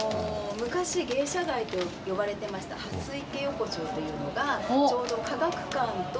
昔芸者街と呼ばれてました蓮池横丁というのがちょうど科学館と。